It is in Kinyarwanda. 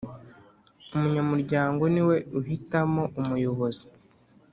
Umunyamuryango niwe uhitamo umuyobozi.